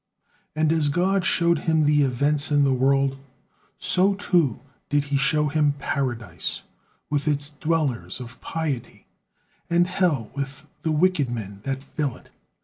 And as God showed him the events in the world, so too did he show him Paradise with its dwellers of piety, and hell with the wicked men that fill it.